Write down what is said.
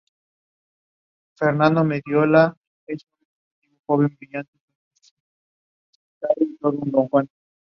Allí trabajó en cristalografía y usó rayos X para estudiar la estructura de cristales.